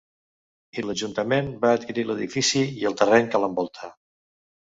I l'Ajuntament va adquirir l'edifici i el terreny que l'envolta.